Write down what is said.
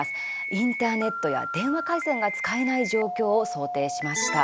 インターネットや電話回線が使えない状況を想定しました。